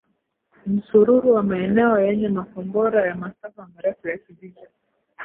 msururu wa maeneo yenye makombora ya masafa marefu ya kivita